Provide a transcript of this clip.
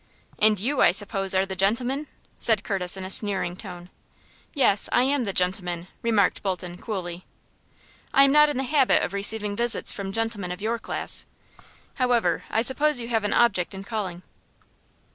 "And you, I suppose, are the gentleman?" said Curtis, in a sneering tone. "Yes; I am the gentleman," remarked Bolton, coolly. "I am not in the habit of receiving visits from gentlemen of your class. However, I suppose you have an object in calling."